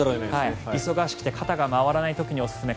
忙しくて肩が回らない時におすすめ。